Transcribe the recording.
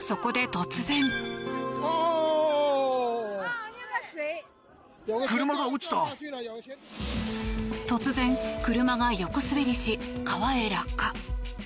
突然、車が横滑りし川へ落下。